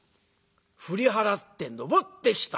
「振り払って登ってきた。